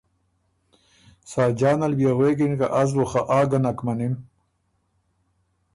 ساجان ال بيې غوېکِن که از بُو خه آ ګه نک مَنِم۔